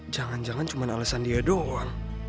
jangan jangan cuma alasan dia doang